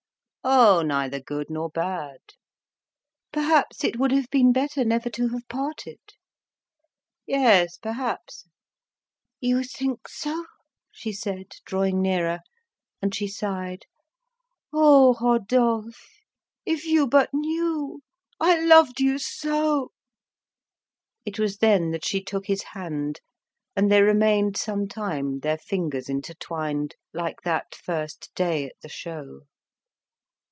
"Oh, neither good nor bad." "Perhaps it would have been better never to have parted." "Yes, perhaps." "You think so?" she said, drawing nearer, and she sighed. "Oh, Rodolphe! if you but knew! I loved you so!" It was then that she took his hand, and they remained some time, their fingers intertwined, like that first day at the Show.